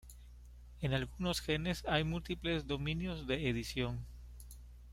En algunos genes hay múltiples dominios de edición.